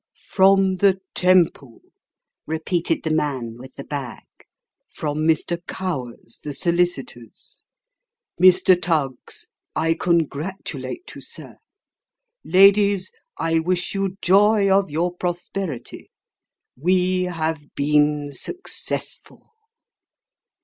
" From the Temple," repeated the man with the bag ;" from Mr. Cower's, the solicitor's. Mr. Tuggs, I congratulate you, sir. Ladies, I wish you joy of your prosperity ! We have been successful."